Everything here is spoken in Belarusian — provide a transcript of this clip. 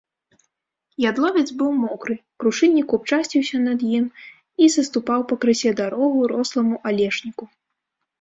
Ядловец быў мокры, крушыннік купчасціўся над ім і саступаў пакрысе дарогу росламу алешніку.